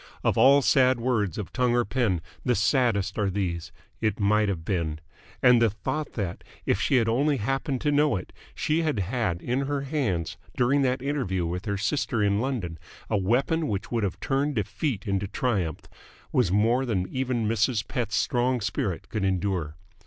Of all sad words of tongue or pen the saddest are these "It might have been!" and the thought that, if she had only happened to know it, she had had in her hands during that interview with her sister in London a weapon which would have turned defeat into triumph was more than even Mrs. Pett's strong spirit could endure.